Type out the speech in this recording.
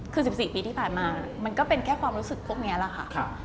คือ๑๔ปีที่ผ่านมามันก็เป็นแค่ความรู้สึกพวกนี้แหละค่ะ